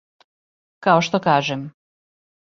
Као што кажем.